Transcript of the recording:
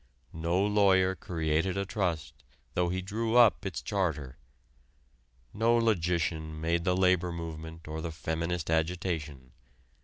No lawyer created a trust though he drew up its charter; no logician made the labor movement or the feminist agitation.